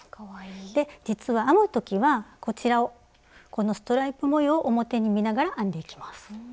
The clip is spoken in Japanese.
で実は編む時はこちらをこのストライプ模様を表に見ながら編んでいきます。